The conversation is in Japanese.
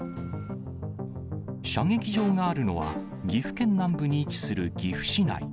射撃場があるのは、岐阜県南部に位置する岐阜市内。